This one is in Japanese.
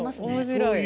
面白い。